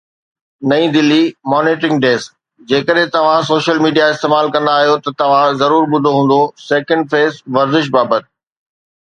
نئين Delhi monitoring desk جيڪڏهن توهان سوشل ميڊيا استعمال ڪندا آهيو ته توهان ضرور ٻڌو هوندو سيڪنڊ فيس ورزش بابت